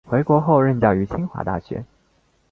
回国后任教于清华大学。